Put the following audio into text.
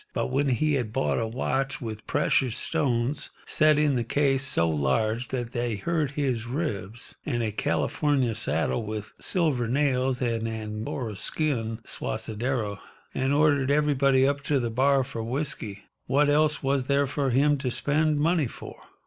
But when he had bought a watch with precious stones set in the case so large that they hurt his ribs, and a California saddle with silver nails and Angora skin suaderos, and ordered everybody up to the bar for whisky—what else was there for him to spend money for?